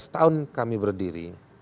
lima belas tahun kami berdiri